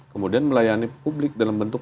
kemudian melayani publik dalam bentuk